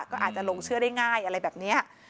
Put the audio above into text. ก็อาจจะหลงเชื่อได้ง่ายอะไรแบบนี้